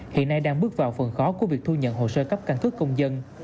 hiện nay đang bước vào phần khó của việc thu nhận hồ sơ cấp căn cước công dân